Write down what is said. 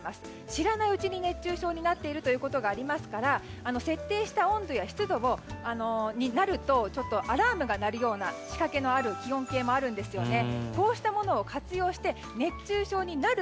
知らないうちに熱中症になっていることがありますから設定した温度や湿度になるとアラームが鳴るような仕掛けのある気温計があるんですよね。